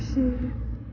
tuh dikit aja